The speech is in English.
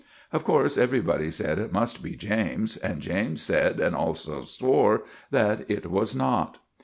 Of course everybody said it must be James; and James said, and also swore, that it was not.